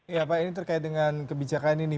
ya pak ini terkait dengan kebijakan ini